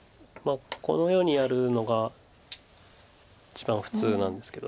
このようにやるのが一番普通なんですけど。